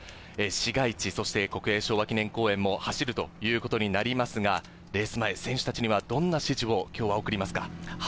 市街地、そして国営昭和記念公園を走るということになりますが、レース前、選手たちにはどんな指示を今日は送りますか？